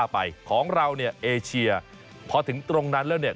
พอถึงตรงนั้นแล้วเนี่ย